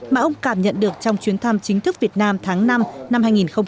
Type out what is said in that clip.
mà ông cảm nhận được trong chuyến thăm chính thức việt nam tháng năm năm hai nghìn một mươi chín